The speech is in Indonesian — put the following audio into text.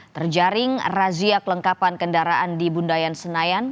terjaring razia kelengkapan kendaraan di bundayan senayan